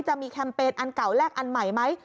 จะมีแคมเปญอันเก่าแลกอันใหม่ไหม